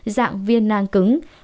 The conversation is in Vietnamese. dạng viên năng cứng